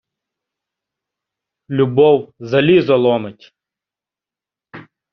Любов залізо ломить.